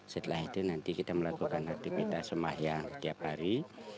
setelah itu nanti kita melakukan aktivitas semah yang tiap hari